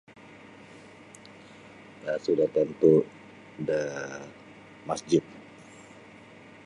um Sudah tantu da masjid.